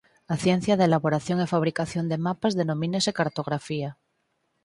A ciencia da elaboración e fabricación de mapas denomínase cartografía.